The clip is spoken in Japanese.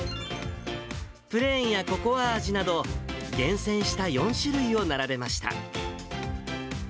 プレーンやココア味など、厳選した４種類を並べました。